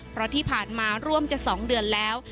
เพราะที่ผ่านมาร่วมจะ๒เดือนแล้ว